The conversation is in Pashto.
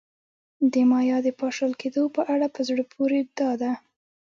د مایا د پاشل کېدو په اړه په زړه پورې دا ده